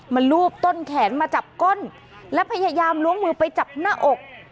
รูปต้นแขนมาจับก้นและพยายามล้วงมือไปจับหน้าอก